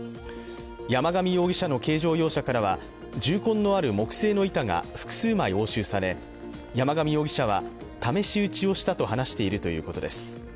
山上容疑者の軽乗用車からは銃痕のある木製の板が複数枚押収され山上容疑者は試し撃ちをしたと話しているということです。